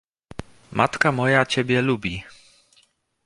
"Matka moja ciebie lubi!"